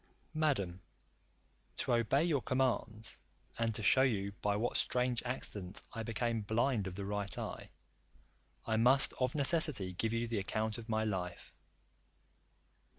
Madam, to obey your commands, and to shew you by what strange accident I became blind of the right eye, I must of necessity give you the account of my life.